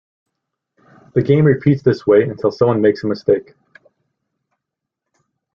The game repeats this way until someone makes a mistake.